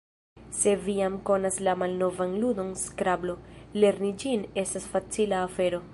Se vi jam konas la malnovan ludon Skrablo, lerni ĝin estas facila afero.